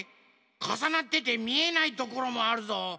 かさなっててみえないところもあるぞ。